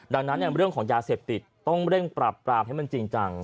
ดังนั้นเรื่องของยาเสพติดต้องเร่งปรับปรามให้มันจริงจัง